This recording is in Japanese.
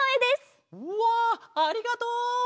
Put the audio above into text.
うわありがとう！